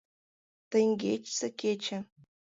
Теҥгечсе кече!